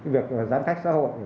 việc gián thách xã hội